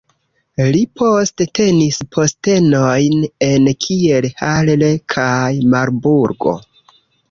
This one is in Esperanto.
Li poste tenis postenojn en Kiel, Halle kaj Marburgo.